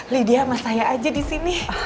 lydia sama saya aja disini